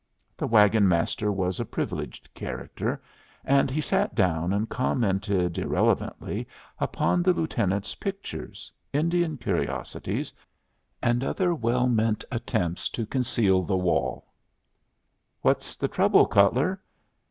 The wagon master was a privileged character, and he sat down and commented irrelevantly upon the lieutenant's pictures, Indian curiosities, and other well meant attempts to conceal the walk: "What's the trouble, Cutler?"